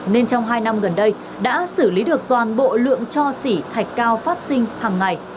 nên trong hai năm gần đây đã xử lý được toàn bộ lượng cho xỉ thạch cao phát sinh hàng ngày